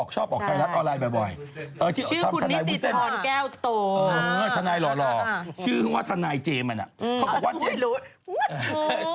ชื่อคุณมิติธรแก้วโตธนายหล่อชื่อเขาว่าธนายเจมส์เขาบอกว่าเจมส์